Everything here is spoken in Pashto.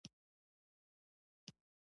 دا سپین کرویات له میکروبونو سره مبارزه کوي.